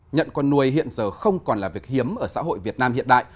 nhận con nuôi hiện giờ không còn là việc hiếm ở xã hội việt nam hiện đại